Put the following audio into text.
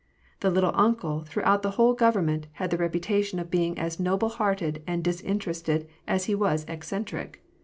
The " little uncle," throughout the whole government, had the reputation of being as noble hearted and disinterested as he was eccentric.